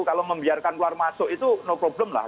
kalau membiarkan keluar masuk itu no problem lah